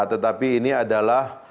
tetapi ini adalah